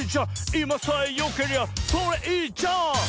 「いまさえよけりゃそれいいじゃん」